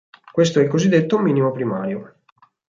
Questo è il cosiddetto "minimo primario".